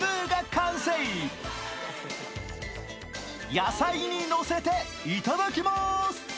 野菜にのせて頂きます。